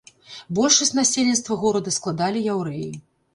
Большасць насельніцтва горада складалі яўрэі.